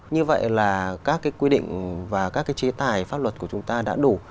như vậy là các quy định và các chế tài pháp luật của chúng ta đã đủ